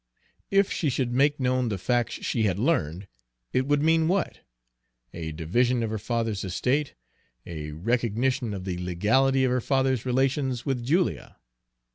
If she should make known the facts she had learned, it would mean what? a division of her father's estate, a recognition of the legality of her father's relations with Julia.